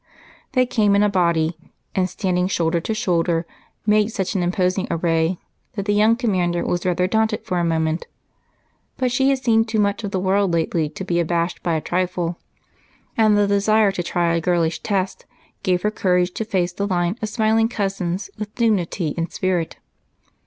They came in a body and, standing shoulder to shoulder, made such an imposing array that the young commander was rather daunted for a moment. But she had seen too much of the world lately to be abashed by a trifle, and the desire to see a girlish test gave her courage to face the line of smiling cousins with dignity and spirit.